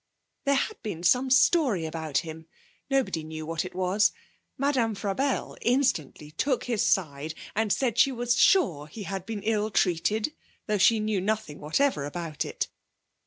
There had been some story about him nobody knew what it was. Madame Frabelle instantly took his side, and said she was sure he had been ill treated, though she knew nothing whatever about it.